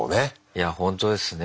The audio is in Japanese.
いやほんとですね。